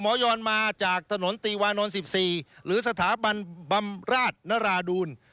ยอนมาจากถนนตีวานนท์๑๔หรือสถาบันบำราชนราดูล